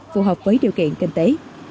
phù hợp với điều kiện kinh tế